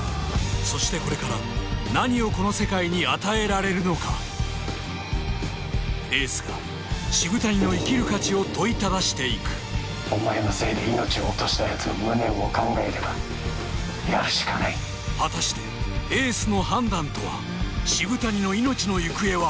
そしてこれから何をこの世界に与えられるのかエースが渋谷の生きる価値を問いただしていくお前のせいで命を落としたやつの無念を考えればやるしかない果たしてエースの判断とは渋谷の命の行方は？